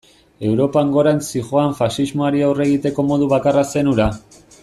Europan gorantz zihoan faxismoari aurre egiteko modu bakarra zen hura.